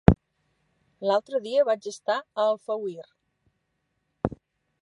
L'altre dia vaig estar a Alfauir.